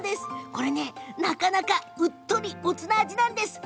なかなかうっとりおつな味なんです。